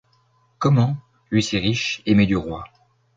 Comment, lui si riche, aimé du roi